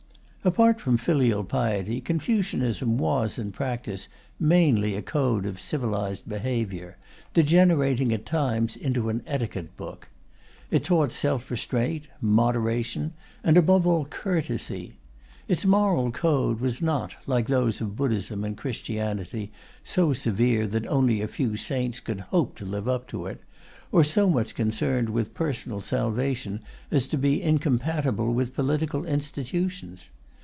Apart from filial piety, Confucianism was, in practice, mainly a code of civilized behaviour, degenerating at times into an etiquette book. It taught self restraint, moderation, and above all courtesy. Its moral code was not, like those of Buddhism and Christianity, so severe that only a few saints could hope to live up to it, or so much concerned with personal salvation as to be incompatible with political institutions.